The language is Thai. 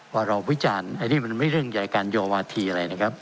ว่าเราวิจารณ์อันนี้ก็มีเรื่องใดการยอวาธิอะไรนะครับ